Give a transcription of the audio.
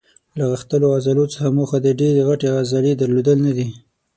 له غښتلو عضلو څخه موخه د ډېرې غټې عضلې درلودل نه دي.